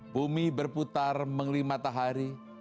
bumi berputar mengelilingi matahari